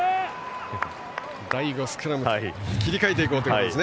スクラム切り替えていこうということです。